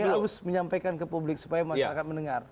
saya harus menyampaikan ke publik supaya masyarakat mendengar